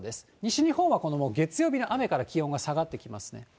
西日本は月曜日の雨から気温が下がってきますね。